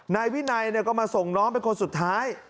นายวินัยก็มาส่งน้องเป็นคนสุดท้าย